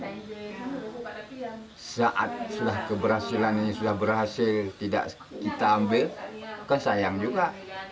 dari kecil kita didik saat sudah keberhasilan ini sudah berhasil tidak kita ambil kan sayang juga